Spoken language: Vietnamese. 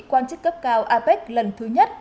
quan chức cấp cao apec lần thứ nhất